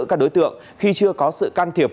các đối tượng khi chưa có sự can thiệp